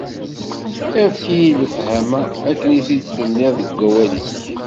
Efk-iyi lefhama, akken i t-id-tenniḍ deg wawal-ik!